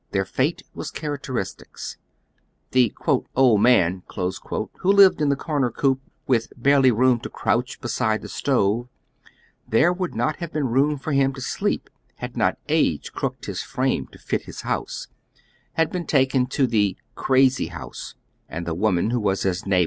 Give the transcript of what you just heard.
Their fato was fharact eristic. The "old man," wjio lived in the corner coop, with barely room to crouch beside the stove — there would not have been room for him to sleep had not age crooked bis frame to fit his house— bad been talicn to the "crazj Iio\i6c," and the woman who was hie THE BEND.